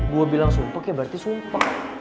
gue bilang sumpah ya berarti sumpah